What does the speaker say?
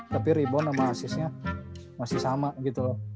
tapi rebound sama asisnya masih sama gitu loh